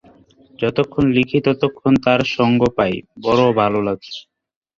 যতক্ষণ লিখি ততক্ষণ তাঁর সঙ্গ পাই, বড় ভালো লাগে।